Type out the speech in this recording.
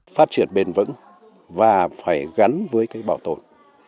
phát triển bền vững và phải gắn với cái bảo tồn